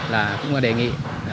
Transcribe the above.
là cũng là đề nghị